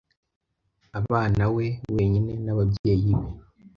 abanawe wenyine n'ababyeyi be.